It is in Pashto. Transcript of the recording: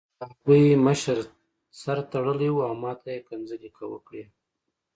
د هغوی مشر سر تړلی و او ماته یې کنځلې وکړې